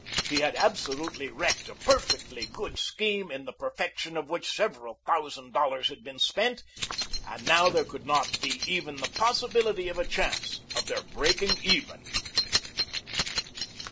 He had absolutely wrecked a perfectly good scheme in the perfection of which several thousand dollars had been spent, and now there could not be even the possibility of a chance of their breaking even.